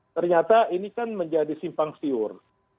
ternyata ini kan menjadi simpang siur